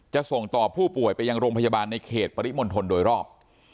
ส่งต่อผู้ป่วยไปยังโรงพยาบาลในเขตปริมณฑลโดยรอบ